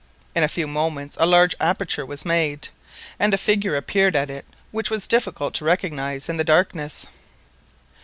In a few moments a large aperture was made, and a figure appeared at it which it was difficult to recognise in the darkness.